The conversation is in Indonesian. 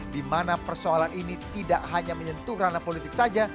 dimana persoalan ini tidak hanya menyentuh ranah politik saja